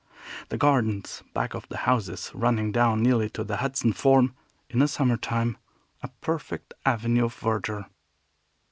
The gardens back of the houses, running down nearly to the Hudson, form, in the summer time, a perfect avenue of verdure.